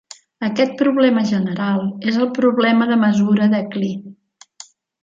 Aquest problema general és el problema de mesura de Klee.